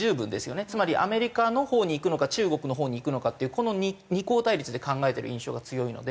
つまりアメリカのほうにいくのか中国のほうにいくのかっていうこの二項対立で考えてる印象が強いので。